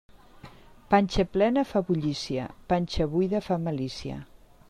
Panxa plena fa bullícia; panxa buida fa malícia.